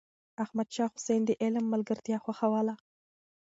احمد شاه حسين د علم ملګرتيا خوښوله.